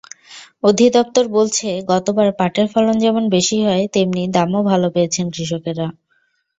অধিদপ্তর বলছে, গতবার পাটের ফলন যেমন বেশি হয়, তেমনি দামও ভালো পেয়েছেন কৃষকেরা।